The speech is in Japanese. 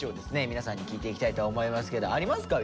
皆さんに聞いていきたいと思いますけどありますか？